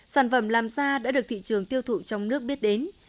sản phẩm làm ra đã được thị trường tiêu thụ trong nước biết đến